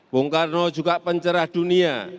bung karno juga pencerah dunia